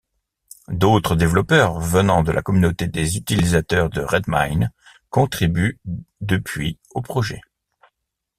D'autres développeurs venant de la communauté des utilisateurs de Redmine contribuent depuis au projet.